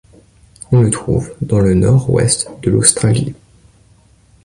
On le trouve dans le nord-ouest de l'Australie.